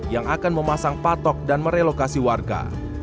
yang akan memasang patok dan merelokasi warga